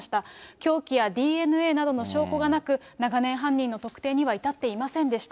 凶器やＤＮＡなどの証拠がなく、長年、犯人の特定には至っていませんでした。